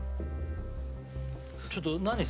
ちょっと何？